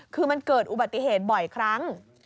คือมันเกิดอุบัติเหตุบ่อยครั้ง